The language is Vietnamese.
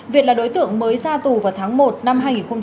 việt là đối tượng mới ra tù vào tháng một năm hai nghìn một mươi chín